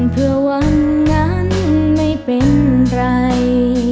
เพื่อวันนั้นไม่เป็นไร